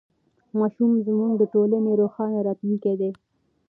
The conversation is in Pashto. ماشومان زموږ د ټولنې روښانه راتلونکی دی.